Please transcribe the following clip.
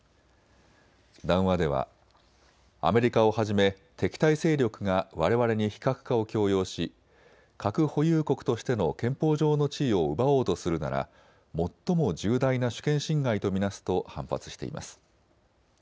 談話ではアメリカをはじめ敵対勢力がわれわれに非核化を強要し核保有国としての憲法上の地位を奪おうとするなら最も重大な主権侵害と見なすと反発しています。